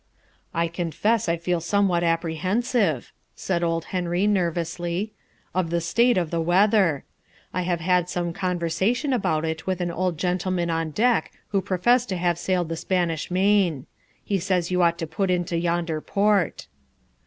"I confess I feel somewhat apprehensive," said old Henry nervously, "of the state of the weather. I have had some conversation about it with an old gentleman on deck who professed to have sailed the Spanish main. He says you ought to put into yonder port."